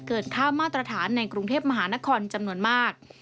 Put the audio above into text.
ค่ามาตรฐานในกรุงเทพมหานครจำนวนมาก